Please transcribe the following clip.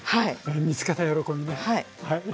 見つけた喜びね。